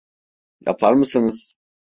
Yapar mısınız?